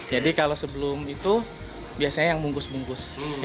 jadi kalau sebelum itu biasanya yang bungkus bungkus